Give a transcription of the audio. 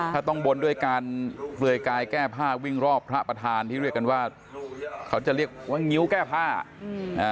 ถ้าต้องบนด้วยการเปลือยกายแก้ผ้าวิ่งรอบพระประธานที่เรียกกันว่าเขาจะเรียกว่างิ้วแก้ผ้า